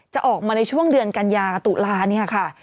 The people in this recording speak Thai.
จะออกมาในช่วงเดือนกันยาตุลาเนี่ยค่ะ